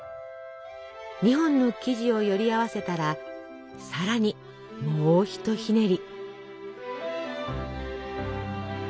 ２本の生地をより合わせたらさらにもうひとひねり！